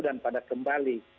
dan pada kembali